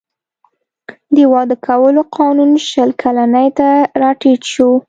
د واده کولو قانون شل کلنۍ ته راټیټ شو.